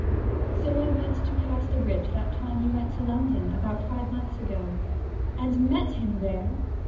'So I went to Casterbridge that time you went to London about five months ago ' 'And met him there?